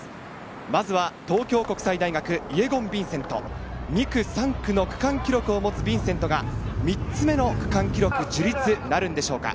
まずは東京国際大学、イェゴン・ヴィンセント、２区、３区の区間記録を持つヴィンセントが３つ目の区間記録樹立なるでしょうか。